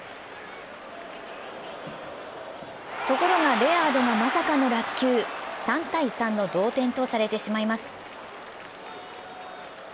ところがレアードがまさかの落球３−３の同点とされてしまいます。